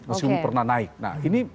masih pernah naik nah ini